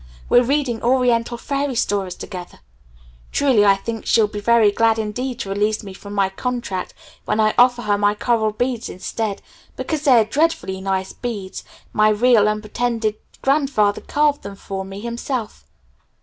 We're reading Oriental Fairy stories together. Truly I think she'll be very glad indeed to release me from my contract when I offer her my coral beads instead, because they are dreadfully nice beads, my real, unpretended grandfather carved them for me himself....